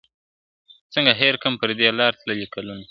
څنگه هېر کم پر دې لار تللي کلونه ..